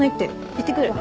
行ってくるわ。